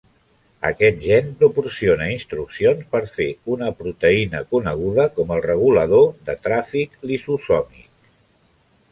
Aquest gen proporciona instruccions per fer una proteïna coneguda com el regulador de tràfic lisosòmic.